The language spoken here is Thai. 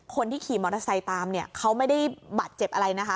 คนที่ขี่มอเตอร์ไซค์ตามเนี่ยเขาไม่ได้บาดเจ็บอะไรนะคะ